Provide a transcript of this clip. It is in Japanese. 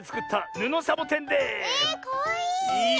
えかわいい！